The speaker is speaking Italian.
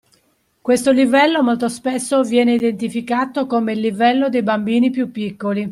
Questo livello molto spesso viene identificato come il livello dei bambini più piccoli